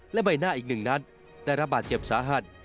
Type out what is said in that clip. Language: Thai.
และใบหน้าอีกหนึ่งนัดได้รับบาดเจ็บสาหัส